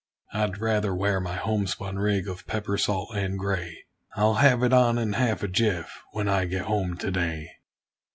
I'd rather wear my homespun rig of pepper salt and gray I'll have it on in half a jiff, when I get home to day.